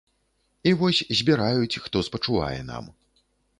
І вось збіраюць, хто спачувае нам.